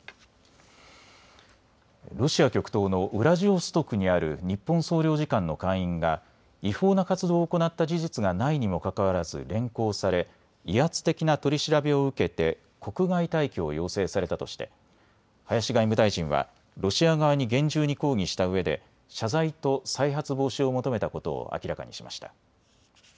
ロシア極東のウラジオストクにある日本総領事館の館員が違法な活動を行った事実がないにもかかわらず連行され威圧的な取り調べを受けて国外退去を要請されたとして林外務大臣はロシア側に厳重に抗議したうえで謝罪と再発防止を求めたことを明らかにしました。